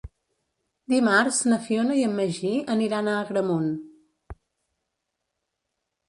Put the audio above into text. Dimarts na Fiona i en Magí aniran a Agramunt.